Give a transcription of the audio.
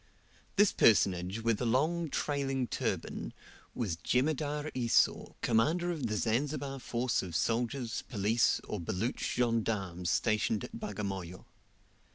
This personage with a long trailing turban, was Jemadar Esau, commander of the Zanzibar force of soldiers, police, or Baluch gendarmes stationed at Bagamoyo.